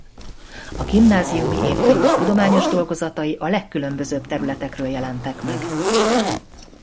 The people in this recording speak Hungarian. A gimnáziumi évkönyvek tudományos dolgozatai a legkülönbözőbb területekről jelentek meg.